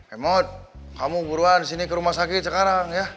emot kamu guruan sini ke rumah sakit sekarang ya